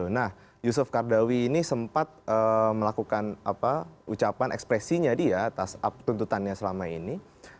nah yusuf kardawi ini sempat melakukan ucapan ekspresinya dia atas tuntutannya selama ini